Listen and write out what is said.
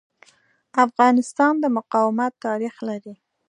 افغانستان د مقاومت تاریخ لري.